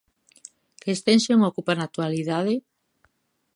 Que extensión ocupa na actualidade?